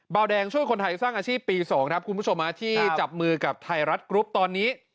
เบาแดงช่วยคนไทยสร้างอาชีพปี๒ครับคุณผู้ชมที่จับมือกับไทยรัฐกรุ๊ปตอนนี้